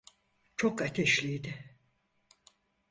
Çok ateşliydi.